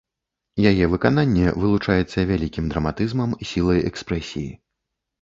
Яе выкананне вылучаецца вялікім драматызмам, сілай экспрэсіі.